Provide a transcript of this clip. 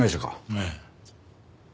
ええ。